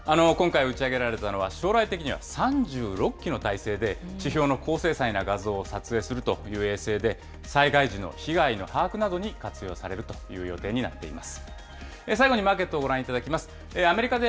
今回打ち上げられたのは、将来的には３６基の体制で地表の高精細な画像を撮影するという衛星で、災害時の被害の把握などに活用されるという予定になっています。